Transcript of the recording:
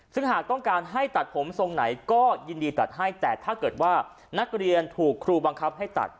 ซึ่งหากต้องการให้ตัดผมทรงไหนก็ยินดีตัดให้แต่ถ้าเกิดว่านักเรียนถูกครูบังคับให้ตัด